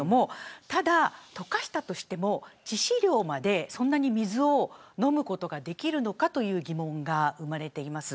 ただ、溶かしたとしても致死量まで水を飲むことができるのかという疑問が生まれています。